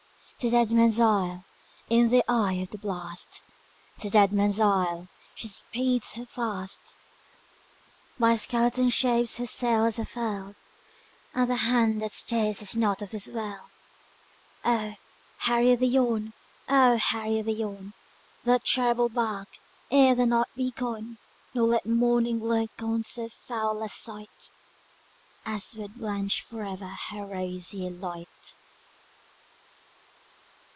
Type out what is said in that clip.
To Deadman's Isle, in the eye of the blast, To Deadman's Isle, she speeds her fast; By skeleton shapes her sails are furled, And the hand that steers is not of this world! Oh! hurry thee on oh! hurry thee on, Thou terrible bark, ere the night be gone, Nor let morning look on so foul a sight As would blanch for ever her rosy light!